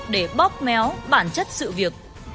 để bóp méo bản chất sự việc